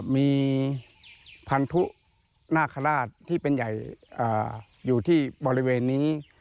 มีพันธุนาคาราชที่เป็นใหญ่อยู่ที่บริเวณนี้